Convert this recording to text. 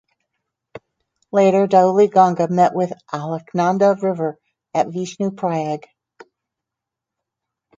Later Dhauli ganga met with Alaknanda river at Vishnu Prayag.